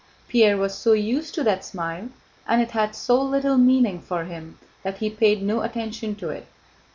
Pierre was so used to that smile, and it had so little meaning for him, that he paid no attention to it.